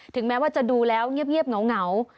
แม้ว่าจะดูแล้วเงียบเหงา